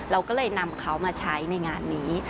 เราก็เลยนำเขามาใช้ในงานนี้